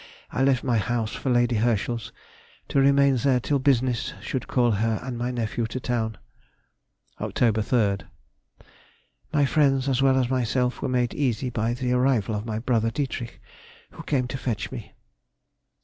I left my house for Lady Herschel's, to remain there till business should call her and my nephew to town. Oct. 3rd.—My friends as well as myself were made easy by the arrival of my brother Dietrich, who came to fetch me.